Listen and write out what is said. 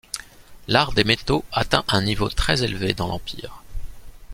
L’art des métaux atteint un niveau très élevé dans l’empire.